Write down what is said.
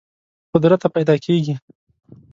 قدرت راپیدا کېږي.